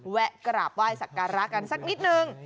แวะกราบไหว้สักการะกันสักนิดนึง